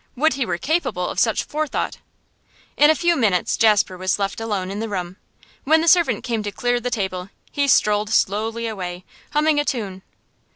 Would he were capable of such forethought!' In a few minutes Jasper was left alone in the room. When the servant came to clear the table he strolled slowly away, humming a tune.